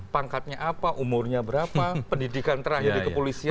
pangkatnya apa umurnya berapa pendidikan terakhir di kepolisian